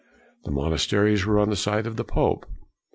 The monasteries were on the side of the pope.